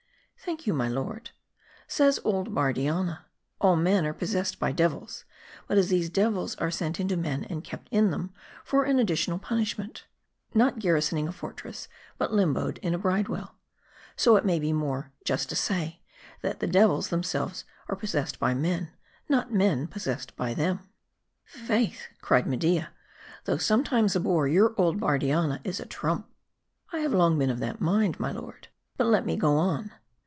" Thank you, my lord. Says old Bardianna, All men are possessed by devils ; but as these devils are sent into men, and kept in them, for an additional punishment ; not garrisoning a fortress, but limboed in a bridewell ; so, it may be more just to say, that the devils themselves are possessed by men, not men by them.' "" Faith !" cried Media, " though sometimes a bore, your old Bardianna is a trump." " I have long been of that mind, my lord. But let me go on.